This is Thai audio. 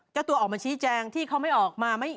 เจ้าตัวออกมาชี้แจงที่เขาไม่ออกมา